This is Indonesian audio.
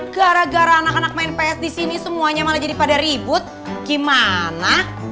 gara gara anak anak main ps di sini semuanya malah jadi pada ribut gimana